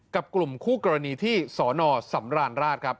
กับกลุ่มคู่กรณีที่สนสำราญราชครับ